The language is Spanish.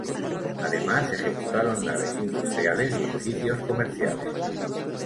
Además ejecutaron naves industriales y edificios comerciales.